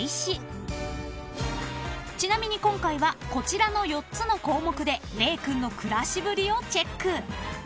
［ちなみに今回はこちらの４つの項目でれい君の暮らしぶりをチェック］